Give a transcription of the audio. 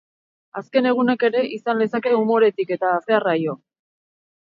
Azken egunak ere izan lezake umoretik eta, zer arraio!